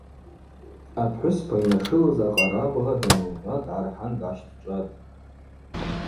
Апхӏвыспа йнашылыз акъарабгъа данылба дгӏархӏан дгӏащтӏчӏватӏ.